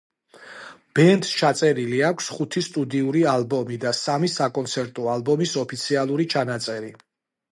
ბენდს ჩაწერილი აქვს ხუთი სტუდიური ალბომი და სამი საკონცერტო ალბომის ოფიციალური ჩანაწერი.